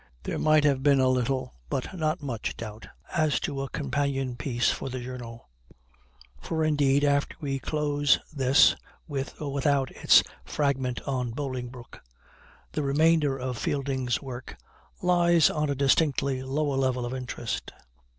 There might have been a little, but not much, doubt as to a companion piece for the Journal; for indeed, after we close this (with or without its "Fragment on Bolingbroke"), the remainder of Fielding's work lies on a distinctly lower level of interest.